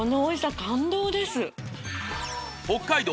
北海道